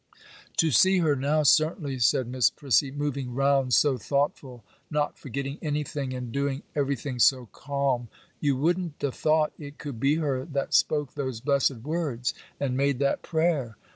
'To see her now, certainly,' said Miss Prissy, 'moving round so thoughtful, not forgetting anything, and doing everything so calm, you wouldn't 'a' thought it could be her that spoke those blessed words and made that prayer!